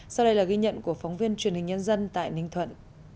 sau đây là ghi nhận của phóng viên truyền hình nhân dân tại ninh thuận